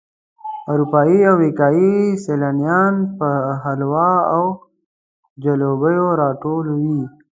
اروپایي او امریکایي سیلانیان پر حلواو او جلبیو راټول وي.